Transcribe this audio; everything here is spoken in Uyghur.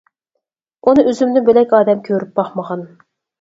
ئۇنى ئۆزۈمدىن بۆلەك ئادەم كۆرۈپ باقمىغان.